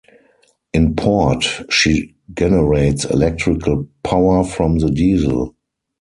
In port, she generates electrical power from the diesel.